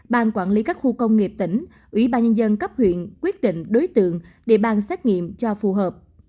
ban quản lý các khu công nghiệp tỉnh ủy ban nhân dân cấp huyện quyết định đối tượng địa bàn xét nghiệm cho phù hợp